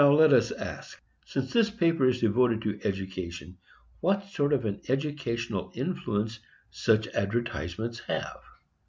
Let us now ask, since this paper is devoted to education, what sort of an educational influence such advertisements have.